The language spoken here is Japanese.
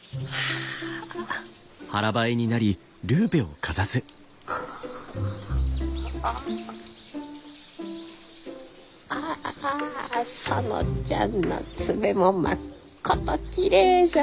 あああ園ちゃんの爪もまっこときれいじゃ。